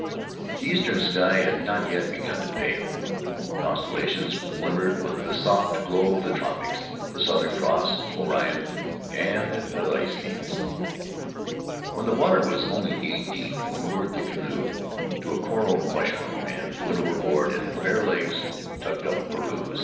The eastern sky had not yet begun to pale — the constellations glimmered with the soft glow of the tropics: the Southern Cross, Orion, and the Pleiades. In the Cook Group When the water was only knee deep we moored the canoe to a coral mushroom and went overboard in bare legs and tucked up parens.